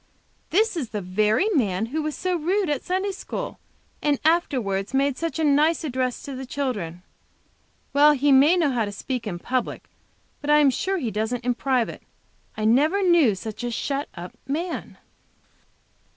This is the very who was so rude at Sunday school, and afterwards made such a nice address to the children. Well he may know how to speak in public, but I am sure he doesn't in private. I never knew such a shut up man.